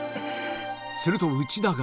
すると内田が